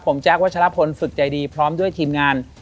ผมแจ๊ควัชลพลฝึกใจดีพร้อมด้วยทีมงาน